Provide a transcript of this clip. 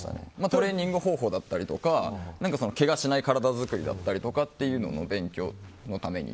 トレーニング方法だったりとかけがしない体作りだったりとかの勉強のために。